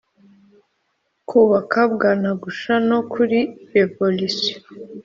bukaba bwanagusha no kuri révolution,